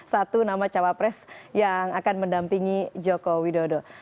satu nama cawapres yang akan mendampingi joko widodo